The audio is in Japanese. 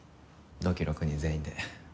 同期６人全員で。